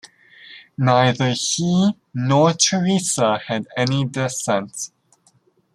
Neither he nor Teresa had any descent.